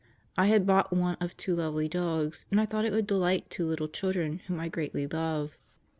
I had bought one of two lovely dogs, and I thought it would delight two little children whom I greatly love.